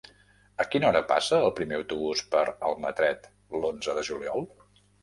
A quina hora passa el primer autobús per Almatret l'onze de juliol?